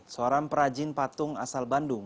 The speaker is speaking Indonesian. seorang perajin patung asal bandung